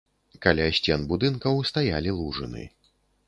Каля сцен будынкаў стаялі лужыны.